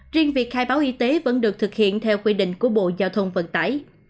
riêng việc khai báo y tế vẫn được thực hiện theo quy định của bộ giao thông vận tải